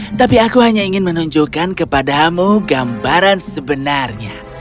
tapi aku hanya ingin menunjukkan kepadamu gambaran sebenarnya